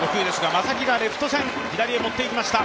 正木がレフト線、左へ持っていきました。